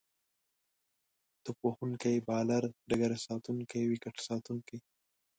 توپ وهونکی، بالر، ډګرساتونکی، ويکټ ساتونکی